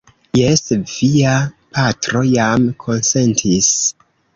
Jes, via patro jam konsentis.